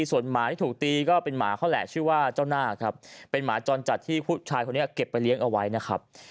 ส่วนหมาที่ถูกตีก็เป็นหมาเขาแหละชื่อว่าเจ้าหน้าครับเป็นหมาจรจัดที่ผู้ชายคนนี้เก็บไปเลี้ยงเอาไว้นะครับ